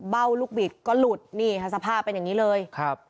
เบ้าลูกบิดก็หลุดนี่ค่ะสภาพเป็นอย่างนี้เลยครับ